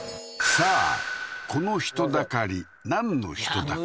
さあこの人だかりなんの人だかり？